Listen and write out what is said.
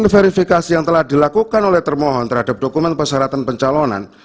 verifikasi yang telah dilakukan oleh termohon terhadap dokumen persyaratan pencalonan